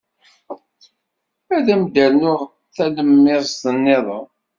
Ad am-d-rnuɣ talemmiẓt niḍen.